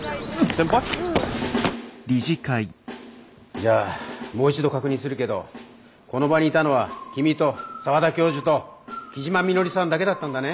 じゃあもう一度確認するけどこの場にいたのは君と澤田教授と木嶋みのりさんだけだったんだね？